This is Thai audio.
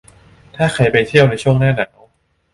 ถ้าใครไปเที่ยวในช่วงหน้าหนาว